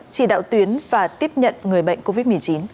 chỉ đạo tuyến và tiếp nhận người bệnh covid một mươi chín